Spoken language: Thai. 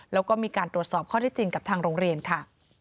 แล้วก็มีการตรวจสอบข้อที่จริงกับทางโรงเรียนค่ะ